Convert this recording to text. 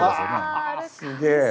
あすげえ。